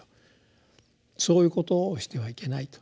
そういうことをしてはいけないと。